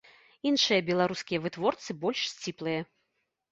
Іншыя беларускія вытворцы больш сціплыя.